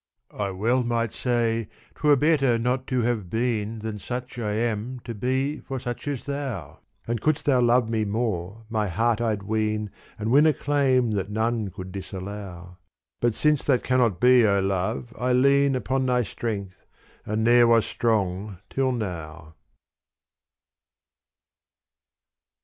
I well might say 't were better not to have been Than such I am to be for such as thou : And couldst thou love me more my heart I 'd wean And win a claim that none could disallow : But since that cannot be, O love, I lean Upon thy strength and ne'er was strong till now.